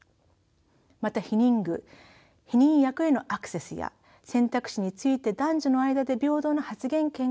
また避妊具避妊薬へのアクセスや選択肢について男女の間で平等な発言権がないことも挙げられます。